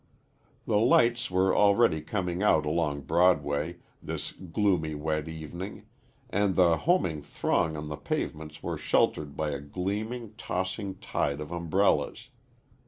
The lights were already coming out along Broadway, this gloomy wet evening, and the homing throng on the pavements were sheltered by a gleaming, tossing tide of umbrellas.